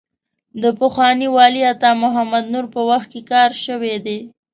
د پخواني والي عطا محمد نور په وخت کې کار شوی دی.